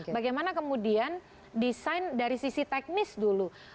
bagaimana kemudian desain dari sisi teknis dulu